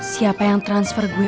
siapa yang transfer gue